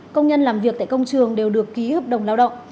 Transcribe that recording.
công nhân làm việc tại công trường đều được ký hợp đồng lao động